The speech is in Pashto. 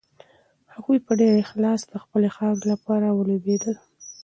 هغوی په ډېر اخلاص د خپلې خاورې لپاره ولوبېدل.